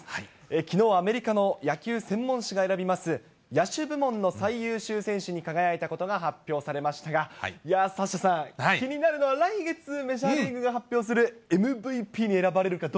きのう、アメリカの野球専門誌が選びます、野手部門の最優秀選手に輝いたことが発表されましたが、いやー、サッシャさん、気になるのは来月、メジャーリーグが発表する、ですよね。